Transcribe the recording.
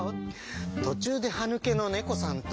「とちゅうではぬけのねこさんと」